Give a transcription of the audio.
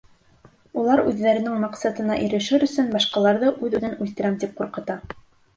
Улар үҙҙәренең маҡсатына ирешер өсөн башҡаларҙы үҙ-үҙен үлтерәм тип ҡурҡыта.